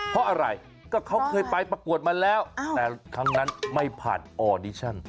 เพราะอะไรก็เขาเคยไปประกวดมาแล้วแต่ครั้งนั้นไม่ผ่านออดิชั่น